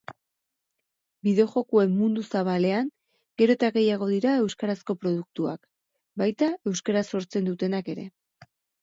Bideojokoen «mundu zabalean», gero eta gehiago dira euskarazko produktuak, baita euskaraz sortzen dutenak ere